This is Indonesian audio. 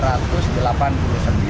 tiga puluh tiga rekening atas nama institusi